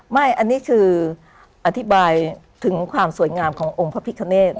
ไม่อันนี้คืออธิบายถึงความสวยงามขององค์พระพิคเนต